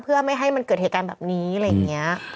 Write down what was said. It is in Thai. เพื่อไม่ให้มันเกิดเหตุการณ์แบบนี้อะไรอย่างนี้